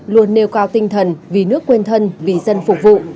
luôn nêu cao tinh thần vì nước quên thân vì dân phục vụ